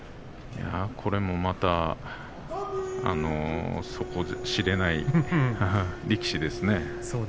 これもまた底知れない力士ですね。